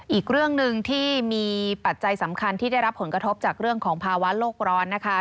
อีกเรื่องหนึ่งที่มีปัจจัยสำคัญที่ได้รับผลกระทบจากเรื่องของภาวะโลกร้อนนะคะ